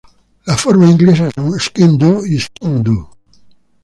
Las formas inglesas son: "skene-Dhu" y "skean-Dhu".